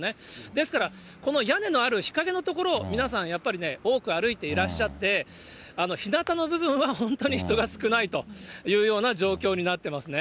ですから、この屋根のある日陰の所を皆さん、やっぱりね、多く歩いていらっしゃって、ひなたの部分は、本当に人が少ないというような状況になっていますね。